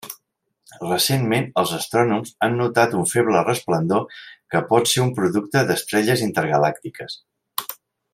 Recentment els astrònoms han notat una feble resplendor que pot ser un producte d'estrelles intergalàctiques.